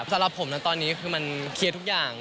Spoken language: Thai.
สำหรับผมนะตอนนี้คือมันเคลียร์ทุกอย่าง